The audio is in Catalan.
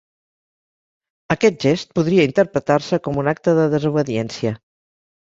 Aquest gest podria interpretar-se com un acte de desobediència.